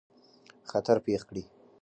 خطر پېښ کړي.